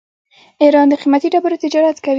ایران د قیمتي ډبرو تجارت کوي.